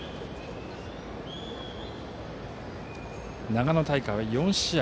長野大会は４試合。